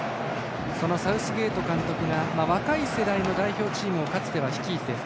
そのサウスゲート監督が若い世代の代表チームをかつては率いて。